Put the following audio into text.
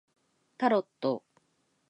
タロット